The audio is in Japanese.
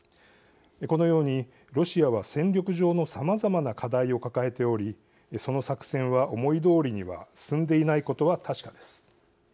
このように、ロシアは戦力上のさまざまな課題を抱えておりその作戦は思いどおりには進んでいないことは確かです。